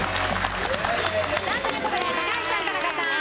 という事で高橋さん田中さん